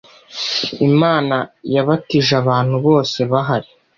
Imana yabatije abantu bose bahari